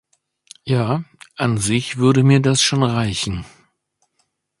Ja, an sich würde mir das schon reichen.